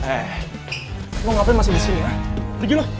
eh lo ngapain masih disini pergi lo